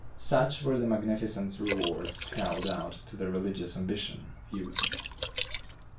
Such were the magnificent rewards held out to the religious ambition of youth.